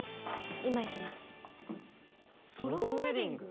今行きますソロウェディング？